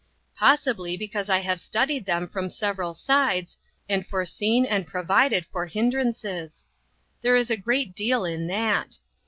Possibly because I have studied them from several sides, and foreseen and provided for hindrances. There is a great deal in that.